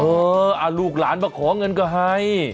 เออลูกหลานมาขอเงินก็ให้